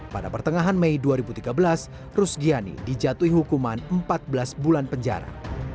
pada pertengahan mei dua ribu tiga belas rusgiani dijatuhi hukuman empat belas bulan penjara